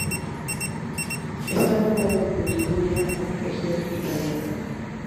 Está nombrado por Liguria, una región italiana.